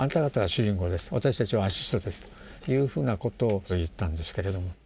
私たちはアシストですというふうなことを言ったんですけれども。